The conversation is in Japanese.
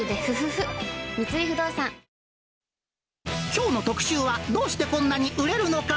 きょうの特集は、どうしてこんなに売れるのか？